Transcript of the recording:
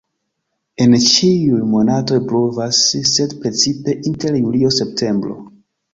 En ĉiuj monatoj pluvas, sed precipe inter julio-septembro.